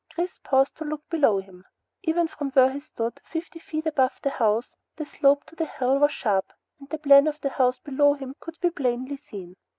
Chris paused to look below him. Even from where he stood, fifty feet above the house, the slope of the hill was sharp and the plan of the house below him could be plainly seen.